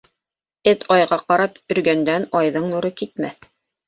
Эт айға ҡарап өргәндән айҙың нуры китмәҫ.